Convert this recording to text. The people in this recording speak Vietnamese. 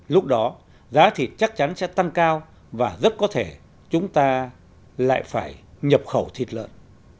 lúc đó giá thịt chắc chắn sẽ tăng cao và rất có thể chúng ta lại phải nhập khẩu thịt lợn